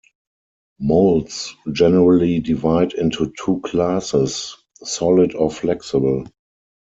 Molds generally divide into two classes: solid or flexible.